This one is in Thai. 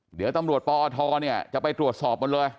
เดี๋ยวตำรวจปอทจะไปตรวจสอบหมดเลย